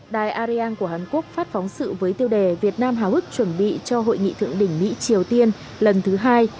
đài ariang của hàn quốc phát phóng sự với tiêu đề việt nam hào hức chuẩn bị cho hội nghị thượng đỉnh mỹ triều tiên lần thứ hai